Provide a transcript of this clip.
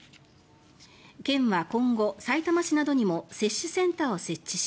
県は今後、さいたま市などにも接種センターを設置し